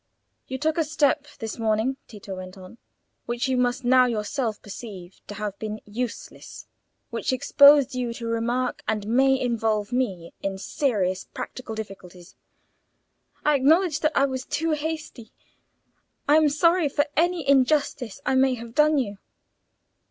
"You took a step this morning," Tito went on, "which you must now yourself perceive to have been useless—which exposed you to remark and may involve me in serious practical difficulties." "I acknowledge that I was too hasty; I am sorry for any injustice I may have done you."